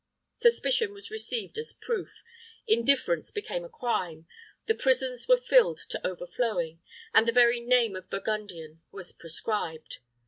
Suspicion was received as proof, indifference became a crime, the prisons were filled to overflowing, and the very name of Burgundian was proscribed.